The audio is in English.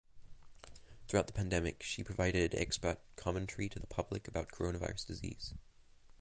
Throughout the pandemic she provided expert commentary to the public about coronavirus disease.